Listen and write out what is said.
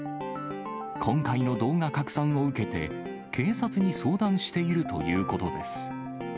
今回の動画拡散を受けて、警察に相談しているということです。